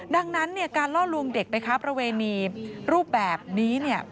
ดังนั้นการล่อลวงเด็กไปค้าประเวณีรูปแบบนี้